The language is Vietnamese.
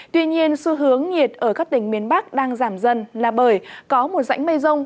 tuy nhiên xu hướng nhiệt ở các tỉnh miền bắc đang giảm dần là bởi có một rãnh mây rông